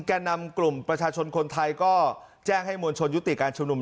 แก่นำกลุ่มประชาชนคนไทยก็แจ้งให้มวลชนยุติการชุมนุม